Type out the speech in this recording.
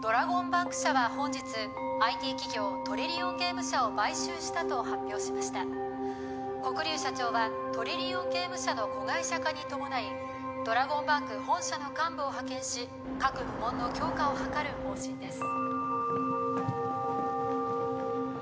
ドラゴンバンク社は本日ＩＴ企業トリリオンゲーム社を買収したと発表しました黒龍社長はトリリオンゲーム社の子会社化に伴いドラゴンバンク本社の幹部を派遣し各部門の強化を図る方針です